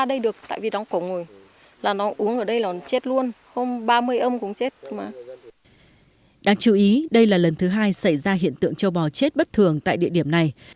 đáng chú ý đây là lần thứ hai xảy ra hiện tượng châu bò chết bất thường tại địa điểm này